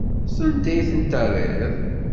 Sanda ay tent-terriḍ?